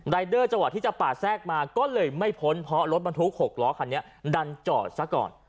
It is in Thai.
เดอร์จังหวะที่จะปาดแทรกมาก็เลยไม่พ้นเพราะรถบรรทุก๖ล้อคันนี้ดันจอดซะก่อน